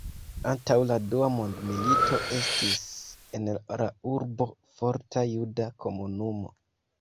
Antaŭ la Dua mondmilito estis en la urbo forta juda komunumo.